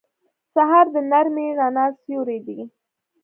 سهار د نرمې رڼا سیوری دی.